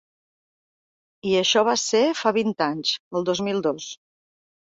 I això va ser fa vint anys, el dos mil dos.